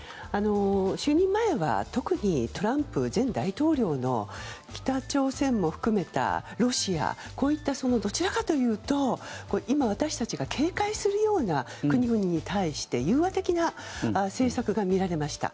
就任前は特にトランプ前大統領の北朝鮮も含めたロシアこういったどちらかというと今、私たちが警戒するような国々に対して融和的な政策が見られました。